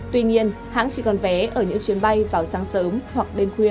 tuy nhiên hãng chỉ còn vé ở những chuyến bay vào sáng sớm hoặc đêm khuya